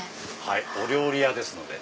はいお料理屋ですので。